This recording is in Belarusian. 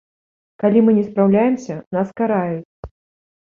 Калі мы не спраўляемся, нас караюць.